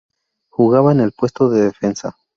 Jugaba en el puesto de defensa.